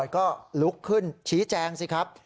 ก็ลุกขึ้นชี้แจงสิครับ